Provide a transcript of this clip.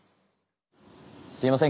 すいません